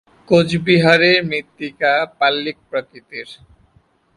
কোচবিহারের মৃত্তিকা পাললিক প্রকৃতির।